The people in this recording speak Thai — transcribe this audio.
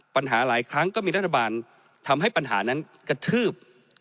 ปัญหาหลายครั้งก็มีรัฐบาลทำให้ปัญหานั้นกระทืบ